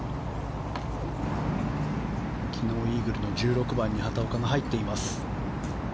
昨日、イーグルの１６番に畑岡が入っています。